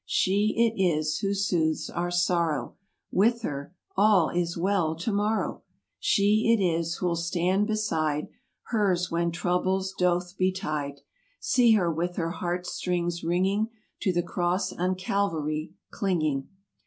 She it is, who soothes our sorrow With her—"All is well tomorrow!" She it is who'll stand beside Hers when troubles doth betide— See her with her heart strings wringing. To the cross on Calvary clinging.